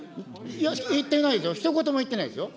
言ってないですよ、ひと言も言ってないですよ。